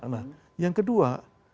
nah yang kedua